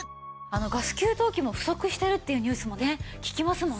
ガス給湯器も不足してるっていうニュースもね聞きますもんね。